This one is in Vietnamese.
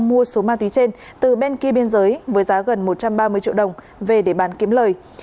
mua số ma túy trên từ bên kia biên giới với giá gần một trăm ba mươi triệu đồng về để bán kiếm lời